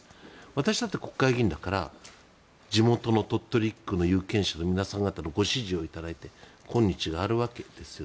私だって国会議員だから地元の鳥取１区の有権者の皆さんのご支持を頂いて今日があるわけです。